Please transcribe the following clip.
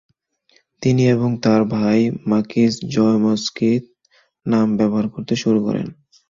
তিনি এবং তার ভাই মাকিজ জয়মস্কি নাম ব্যবহার করতে শুরু করেন।